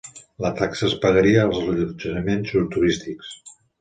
La taxa es pagaria als allotjaments turístics